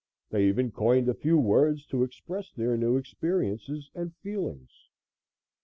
They even coined a few words to express their new experiences and feelings.